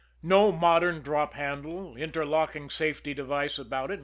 No modern drop handle, interlocking safety device about it.